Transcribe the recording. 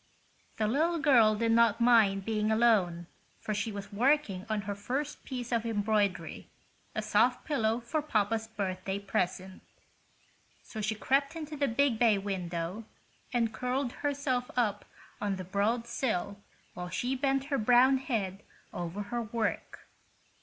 The little girl did not mind being alone, for she was working on her first piece of embroidery—a sofa pillow for papa's birthday present. So she crept into the big bay window and curled herself up on the broad sill while she bent her brown head over her work.